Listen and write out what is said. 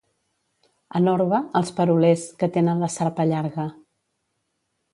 En Orba, els perolers, que tenen la sarpa llarga.